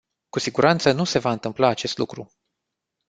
Cu siguranță nu se va întâmpla acest lucru.